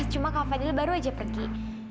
cuma kalau fadil baru aja pergi